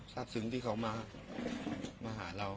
ทราบสึกที่เขามาหาเราครับ